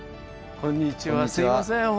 こんにちは。